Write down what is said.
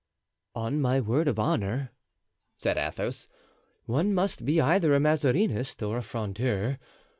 "On my word of honor," said Athos, "one must be either a Mazarinist or a Frondeur.